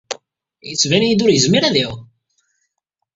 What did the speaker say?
Yettban-iyi-d ur yezmir ad iɛum.